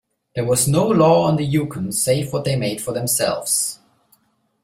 There was no law on the Yukon save what they made for themselves.